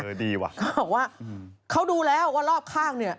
ดีว่ะเขาบอกว่าเขาดูแล้วว่ารอบข้างเนี่ย